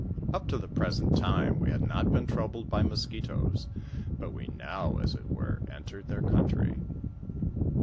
Up to the present time we had not been troubled by mus quitoes, but we now, as it were, entered their country.